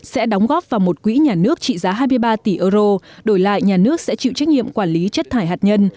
sẽ đóng góp vào một quỹ nhà nước trị giá hai mươi ba tỷ euro đổi lại nhà nước sẽ chịu trách nhiệm quản lý chất thải hạt nhân